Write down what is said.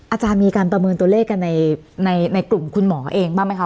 อาจารย์มีการประเมินตัวเลขกันในกลุ่มคุณหมอเองบ้างไหมคะ